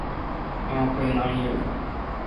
安徽南陵人。